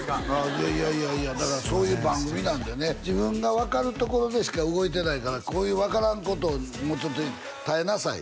いやいやいやいやだからそういう番組なんでね自分が分かるところでしか動いてないからこういう分からんことをもうちょっと耐えなさい